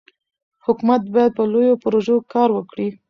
حکومت باید په لویو پروژو کار وکړي.